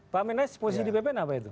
pak amin rais posisi di bpn apa itu